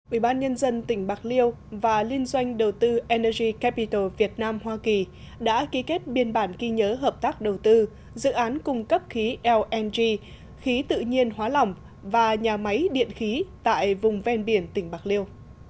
ubnd tỉnh bạc liêu và liên doanh đầu tư energy capital việt nam hoa kỳ đã ký kết biên bản ghi nhớ hợp tác đầu tư dự án cung cấp khí lng khí tự nhiên hóa lỏng và nhà máy điện khí tại vùng ven biển tỉnh bạc liêu